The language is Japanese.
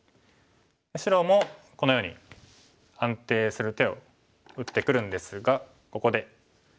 白もこのように安定する手を打ってくるんですがここで。